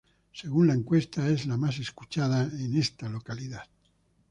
Según las encuestas, es la más escuchada en esta localidad.